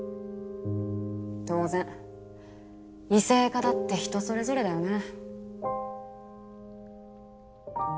当然異性化だって人それぞれだよね。